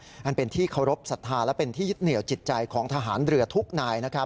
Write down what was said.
อันนั้นเป็นที่เคารพสัตว์ที่ทาและเป็นยิดเหนียวจิตใจของทหารเรือทุกนาย